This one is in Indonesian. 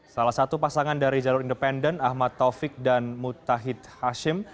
salah satu pasangan dari jalur independen ahmad taufik dan muttah hashim